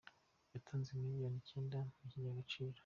yatanze miliyoni icyenda mu kigega Agaciro